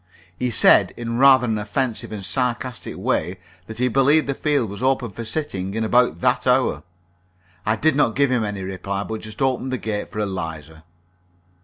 He said, in rather an offensive and sarcastic way, that he believed the field was open for sitting in about that hour. I did not give him any reply, but just opened the gate for Eliza.